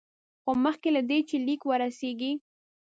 خو مخکې له دې چې لیک ورسیږي.